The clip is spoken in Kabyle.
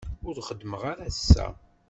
Ur xeddmeɣ ara ass-a.